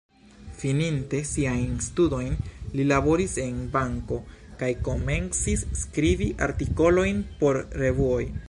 Fininte siajn studojn, li laboris en banko kaj komencis skribi artikolojn por revuoj.